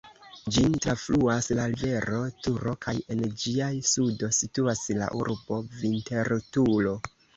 Ĝin trafluas la rivero Turo kaj en ĝia sudo situas la urbo Vinterturo.